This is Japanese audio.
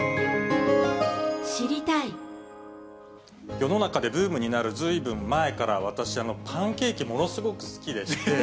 世の中でブームになるずいぶん前から私、パンケーキ、ものすごく好きでして。